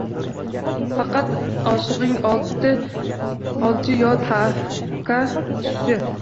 Faqat oshig‘ining olchi yo tavka tushishi